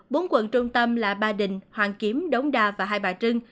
bốn quận trung tâm là ba đình hoàng kiếm đống đa và hai bà trưng